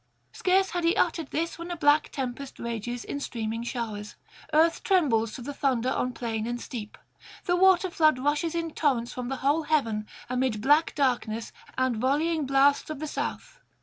Scarce had he uttered this, when a black tempest rages in streaming showers; earth trembles [695 726]to the thunder on plain and steep; the water flood rushes in torrents from the whole heaven amid black darkness and volleying blasts of the South.